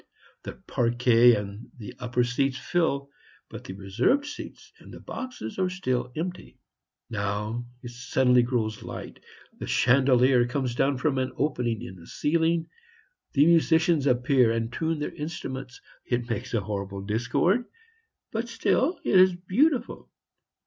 The parquet and the upper seats fill, but the reserved seats and the boxes are still empty. Now it suddenly grows light; the chandelier comes down from an opening in the ceiling. The musicians appear and tune their instruments. It makes a horrible discord, but still it is beautiful.